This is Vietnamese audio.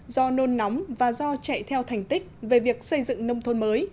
do nôn nóng và do chạy theo thành tích về việc xây dựng nông thôn mới